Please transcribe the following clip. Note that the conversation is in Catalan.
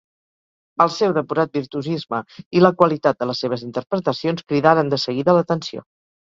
El seu depurat virtuosisme i la qualitat de les seves interpretacions cridaren de seguida l'atenció.